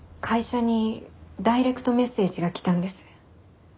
会社にダイレクトメッセージが来たんです。